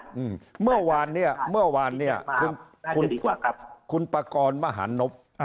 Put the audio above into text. อืมเมื่อวานเนี่ยเมื่อวานเนี่ยคุณคุณประกอบมหานบ